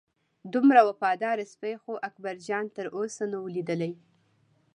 دومره وفاداره سپی خو اکبرجان تر اوسه نه و لیدلی.